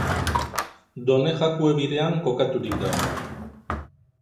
Done Jakue bidean kokaturik dago.